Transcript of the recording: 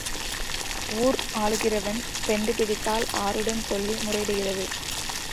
ஊர் ஆளுகிறவன் பெண்டு பிடித்தால் ஆருடன் சொல்லி முறையிடுகிறது?